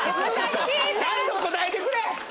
ちゃんと答えてくれ！